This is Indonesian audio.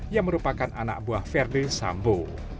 yang merupakan anak buah verdi sambo